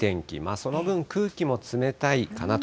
その分、空気も冷たいかなと。